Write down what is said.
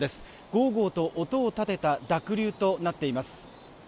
ゴーゴーと音を立てた濁流となっています